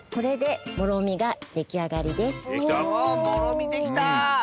もろみできた！